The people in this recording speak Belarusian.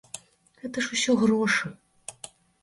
Гэта ж усё грошы.